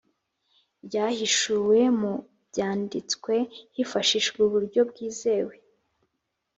ryahishuwe mu byandistwe hifashishijwe uburyo bwizewe